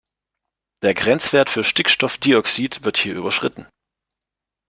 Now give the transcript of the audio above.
Der Grenzwert für Stickstoffdioxid wird hier überschritten.